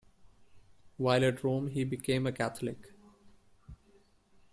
While at Rome he became a Catholic.